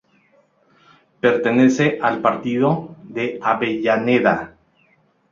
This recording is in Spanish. Pertenece al partido de Avellaneda.